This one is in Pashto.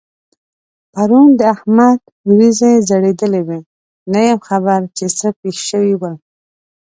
پرون د احمد وريځې ځړېدلې وې؛ نه یم خبر چې څه پېښ شوي ول؟